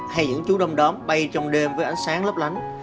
hay những chú đông đóm bay trong đêm với ánh sáng lấp lánh